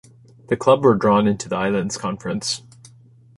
The club were drawn into the Islands Conference.